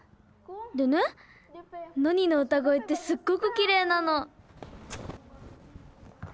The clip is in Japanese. でねノニの歌声ってすっごくきれいなの。